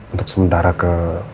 untuk sementara ke